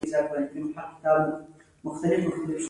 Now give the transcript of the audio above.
هغه مفسدو سهم لرونکو ته اشاره وکړه.